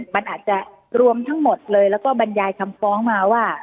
มันอาจจะรวมทั้งหมดเลยแล้วก็บรรยายคำฟ้องมาว่า